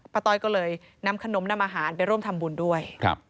ต้อยก็เลยนำขนมนำอาหารไปร่วมทำบุญด้วย